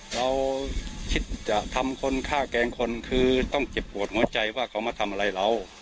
เราคิดจะทำคนฆ่าแกล้งคนคือต้องเจ็บปวดหัวใจว่าเขามาทำอะไรเรา